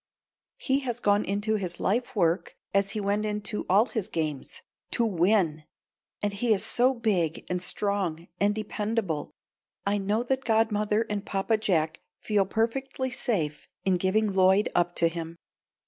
He has gone into his life work as he went into all his games to win! And he is so big and strong and dependable, I know that godmother and Papa Jack feel perfectly safe in giving Lloyd up to him.